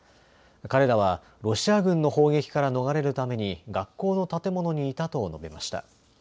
彼らはロシア軍の砲撃から逃れるために学校の建物にいたと述べました。